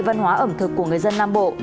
văn hóa ẩm thực của người dân nam bộ